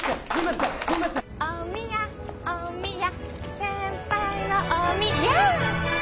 先輩のおみや！